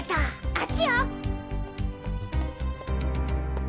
あっちよ！